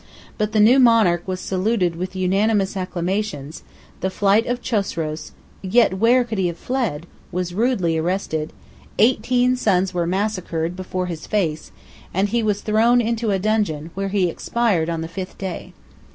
But the new monarch was saluted with unanimous acclamations; the flight of Chosroes (yet where could he have fled?) was rudely arrested, eighteen sons were massacred 1061 before his face, and he was thrown into a dungeon, where he expired on the fifth day.